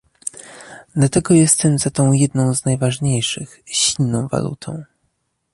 Dlatego jestem za tą jedną z najważniejszych, silną walutą